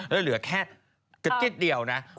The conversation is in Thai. แล้วเหลือแค่จะจิ๊ดเดียวนะ